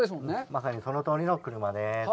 まさにそのとおりの車です。